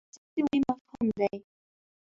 سوله داسي عمومي مفهوم دی.